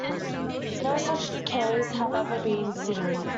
No such decays have ever been seen.